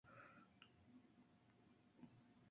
Jakob Park de Basilea, ganando el campeonato.